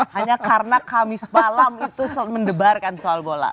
hanya karena kamis malam itu mendebarkan soal bola